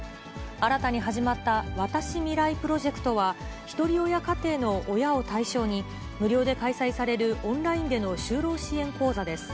新たに始まった、わたしみらいプロジェクトは、ひとり親家庭の親を対象に、無料で開催されるオンラインでの就労支援講座です。